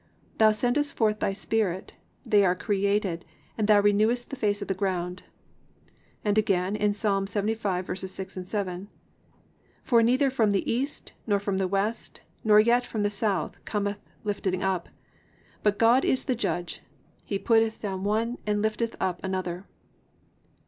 (30) Thou sendest forth thy spirit, they are created; and thou renewest the face of the ground."+ And again in Ps. 75:6, 7: +"For neither from the east, nor from the west, nor yet from the south, cometh lifting up. (7) But God is the judge: he putteth down one, and lifteth up another."